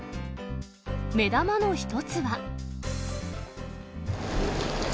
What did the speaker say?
目玉の１つは。